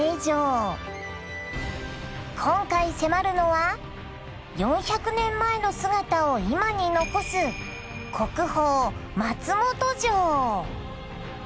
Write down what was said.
今回迫るのは４００年前の姿を今に残す国宝松本城。